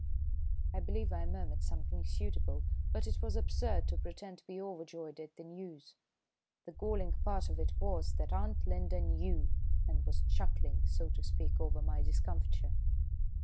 I believe I murmured something suitable, but it was absurd to pretend to be overjoyed at the news. The galling part of it was that Aunt Linda knew, and was chuckling, so to speak, over my discomfiture.